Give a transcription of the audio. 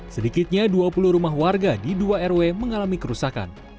sedikitnya dua puluh rumah warga di dua rw mengalami kerusakan